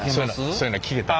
そういうのは聴けたり？